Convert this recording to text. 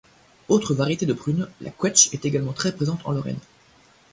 Autre variété de prune, la quetsche est également très présente en Lorraine.